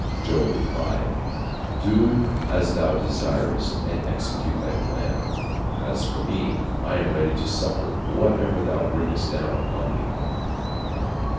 Job replied: "Do as thou desirest, and execute thy plan. As for me, I am ready to suffer whatever thou bringest down upon me."